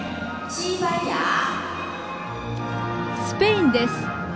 スペインです。